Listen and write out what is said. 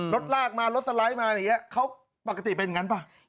รถลากมารถสไลด์มาอย่างนี้เขาปกติเป็นอย่างนั้นป่ะ